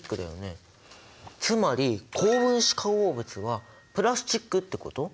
つまり高分子化合物はプラスチックってこと？